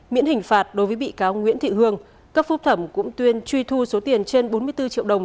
miễn hình phạt đối với bị cáo nguyễn thị hương cấp phúc thẩm cũng tuyên truy thu số tiền trên bốn mươi bốn triệu đồng